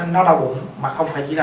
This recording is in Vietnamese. nó đau bụng mà không phải chỉ là